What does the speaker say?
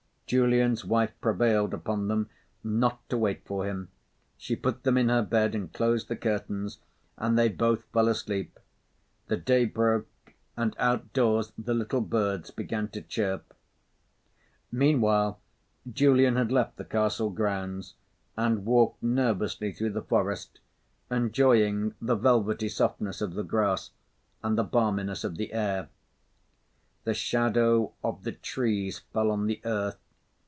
Julian's wife prevailed upon them not to wait for him. She put them in her bed and closed the curtains; and they both fell asleep. The day broke and outdoors the little birds began to chirp. Meanwhile, Julian had left the castle grounds and walked nervously through the forest, enjoying the velvety softness of the grass and the balminess of the air. The shadow of the trees fell on the earth.